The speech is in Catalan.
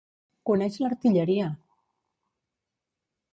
Coneix l'artilleria!